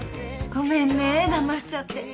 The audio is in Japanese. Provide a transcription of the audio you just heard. ごめんねだましちゃって。